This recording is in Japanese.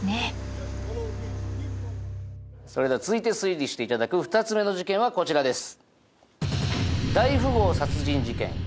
それでは続いて推理していただく２つ目の事件はこちらです。